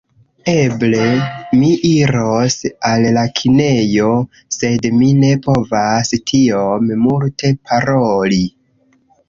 Eble, mi iros al la kinejo sed mi ne povas tiom multe paroli